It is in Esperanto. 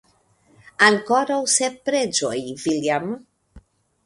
Ankoraŭ sep preĝojn, viljam!